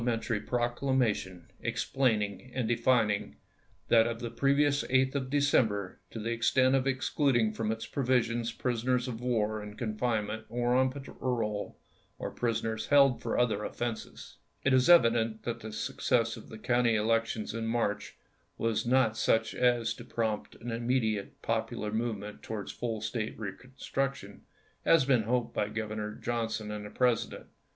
mentary proclamation explaining and defining that of the previous 8th of December to the extent of excluding from its provisions prisoners of war in confinement or on parole, or prisoners held for other offenses. It is evident that the success of the county 1864. elections in March was not such as to prompt an immediate popular movement towards full State reconstruction as had been hoped by Governor Johnson and the President.